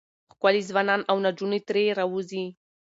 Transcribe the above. ښکلي ځوانان او نجونې ترې راوځي.